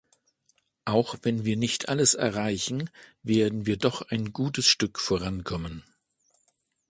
Auch wenn wir nicht alles erreichen, werden wir doch ein gutes Stück vorankommen.